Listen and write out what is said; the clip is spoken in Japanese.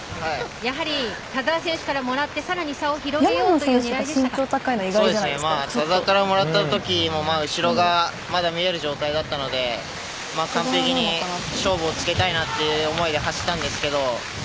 やはり田澤選手からもらって更に差を広げようという田澤からもらった時も後ろがまだ見える状態だったので完璧に勝負をつけたいという思いで走ったんですけど。